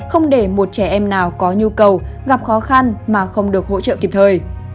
không để một trẻ em nào có nhu cầu gặp khó khăn mà không được hỗ trợ kịp thời